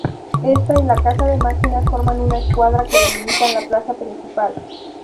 Ésta y la casa de máquinas forman una escuadra que delimita la plaza principal.